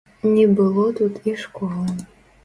Не было тут і школы.